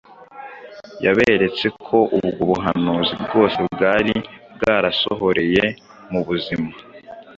Yaberetse ko ubwo buhanuzi bwose bwari bwarasohoreye mu buzima